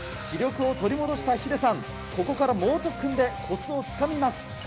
気力を取り戻したヒデさん、ここから猛特訓でこつをつかみます。